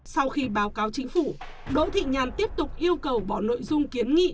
sau khi báo cáo chính phủ đỗ thị nhàn tiếp tục yêu cầu bỏ nội dung kiến nghị